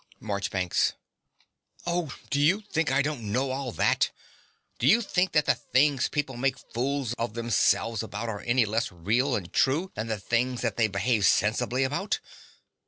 MARCHBANKS. Oh, do you think I don't know all that? Do you think that the things people make fools of themselves about are any less real and true than the things they behave sensibly about?